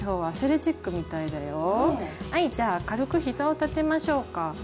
はいじゃあ軽くひざを立てましょうか。